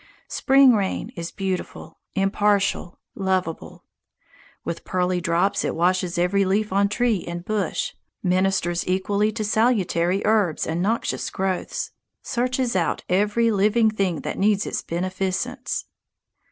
Spring rain is beautiful, impartial, lovable. With pearly drops it washes every leaf on tree and bush, ministers equally to salutary herbs and noxious growths, searches out every living thing that needs its beneficence.